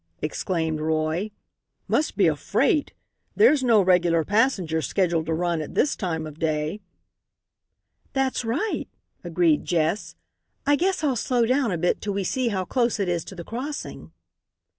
exclaimed Roy. "Must be a freight; there's no regular passenger scheduled to run at this time of day." "That's right," agreed Jess. "I guess I'll slow down a bit till we see how close it is to the crossing."